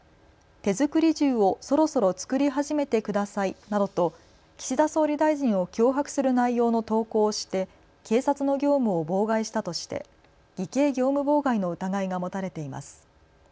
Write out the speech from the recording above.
手作り銃をそろそろ作り始めてくださいなどと岸田総理大臣を脅迫する内容の投稿をして警察の業務を妨害したとして偽計業務妨害の疑いが持たれています。